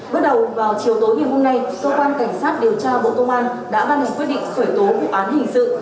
bước đầu vào chiều tối ngày hôm nay cơ quan cảnh sát điều tra bộ công an đã ban hành quyết định khởi tố vụ án hình sự